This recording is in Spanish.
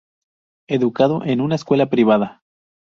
Educado en una escuela privada.